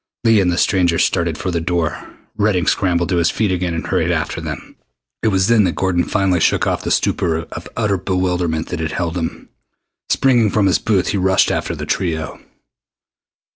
Leah and the stranger started for the door. Redding scrambled to his feet again and hurried after them. It was then that Gordon finally shook off the stupor of utter bewilderment that had held him. Springing from his booth, he rushed after the trio.